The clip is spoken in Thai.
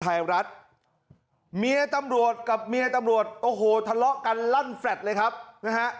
ไทยรัฐเมียตำรวจกับเมียตำรวจโอ้โหทะเลาะกันลั่นแลตเลยครับนะฮะ